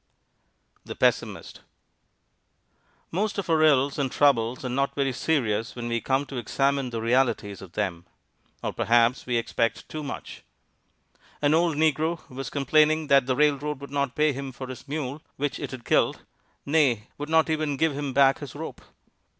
THE PESSIMIST Most of our ills and troubles are not very serious when we come to examine the realities of them. Or perhaps we expect too much. An old negro was complaining that the railroad would not pay him for his mule, which it had killed nay, would not even give him back his rope.